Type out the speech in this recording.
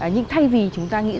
nhưng thay vì chúng ta phải tập huấn